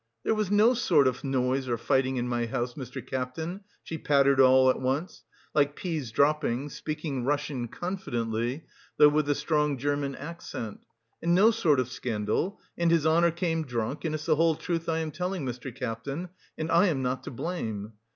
"There was no sort of noise or fighting in my house, Mr. Captain," she pattered all at once, like peas dropping, speaking Russian confidently, though with a strong German accent, "and no sort of scandal, and his honour came drunk, and it's the whole truth I am telling, Mr. Captain, and I am not to blame....